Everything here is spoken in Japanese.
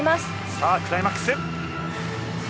さあクライマックス。